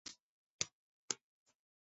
街道以英皇佐治五世的称号命名。